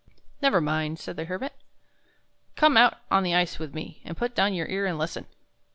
" Never mind," said the Hermit. " Come out on the ice with me, and put down your ear and listen."